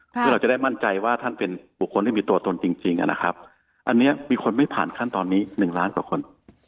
เพื่อเราจะได้มั่นใจว่าท่านเป็นบุคคลที่มีตัวตนจริงนะครับอันนี้มีคนไม่ผ่านขั้นตอนนี้๑ล้านกว่าคน